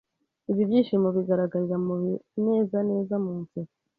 Ibyo byishimo bigaragarira mu binezaneza, mu nseko